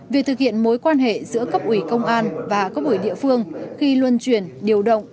việc thực hiện mối quan hệ giữa cấp ủy công an và cấp ủy địa phương khi luân truyền điều động